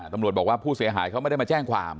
ตำรวจบอกว่าผู้เสียหายเขาไม่ได้มาแจ้งความ